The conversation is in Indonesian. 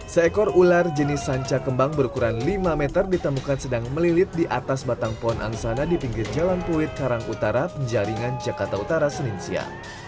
seekor ular jenis sanca kembang berukuran lima meter ditemukan sedang melilit di atas batang pohon angsana di pinggir jalan pulit karang utara penjaringan jakarta utara senin siang